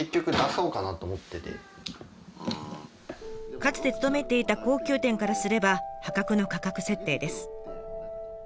かつて勤めていた高級店からすれば破格の価格設定です。